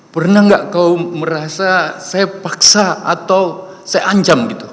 pernah nggak kau merasa saya paksa atau saya ancam gitu